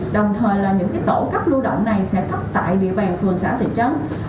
đồng thời là những tổ cấp lưu động này sẽ cấp tại địa bàn phường xã thị trấn